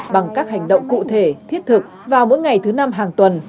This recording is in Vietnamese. bằng các hành động cụ thể thiết thực vào mỗi ngày thứ năm hàng tuần